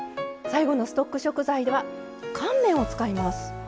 最後のストック食材は乾麺を使います。